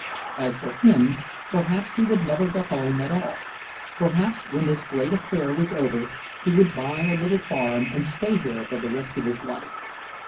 As for him, perhaps he would never go home at all. Perhaps, when this great affair was over, he would buy a little farm and stay here for the rest of his life.